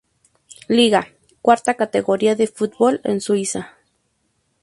Liga, cuarta categoría de fútbol en Suiza.